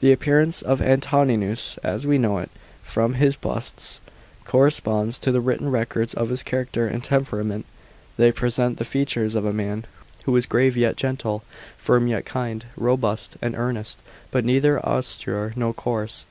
The appearance of Antoninus, as we know it from his busts, corresponds to the written records of his character and tem perament. They present the features of a man, who was grave yet gentle, firm yet kind, robust and earnest, but neither austere nor coarse.